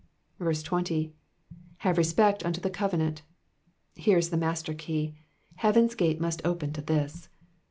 20. ''''Have respect unto the covenant.'*'* Here is the master key, — heaven's gate must open to this.